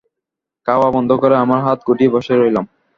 খাওয়া বন্ধ করে আমরা হাত গুটিয়ে বসে রইলাম।